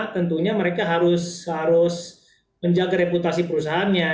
tentunya mereka harus menjaga reputasi perusahaannya